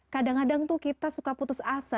kadang kadang tuh kita suka putus asa